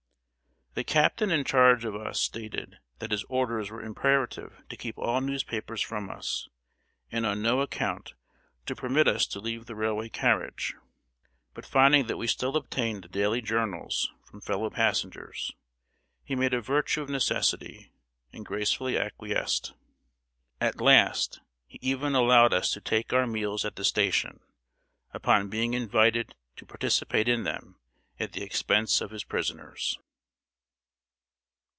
] The captain in charge of us stated that his orders were imperative to keep all newspapers from us; and on no account to permit us to leave the railway carriage. But, finding that we still obtained the daily journals from fellow passengers, he made a virtue of necessity, and gracefully acquiesced. At last, he even allowed us to take our meals at the station, upon being invited to participate in them at the expense of his prisoners.